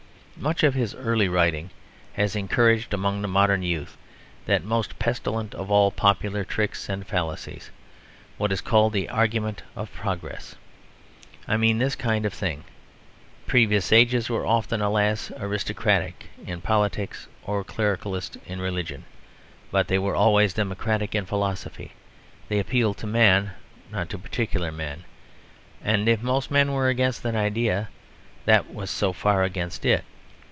Much of his early writing has encouraged among the modern youth that most pestilent of all popular tricks and fallacies; what is called the argument of progress. I mean this kind of thing. Previous ages were often, alas, aristocratic in politics or clericalist in religion; but they were always democratic in philosophy; they appealed to man, not to particular men. And if most men were against an idea, that was so far against it.